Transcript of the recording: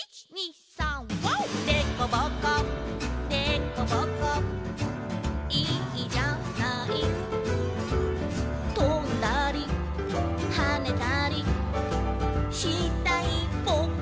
「でこぼこでこぼこいいじゃない」「とんだりはねたりしたいボク」